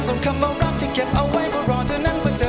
ต้นคำเอารักที่เก็บเอาไว้เพราะรอเธอนั้นเพื่อเธอ